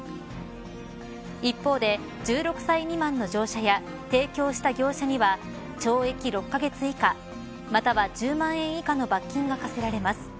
一方で１６歳未満の乗車や提供した業者には懲役６カ月以下または１０万円以下の罰金が科せられます。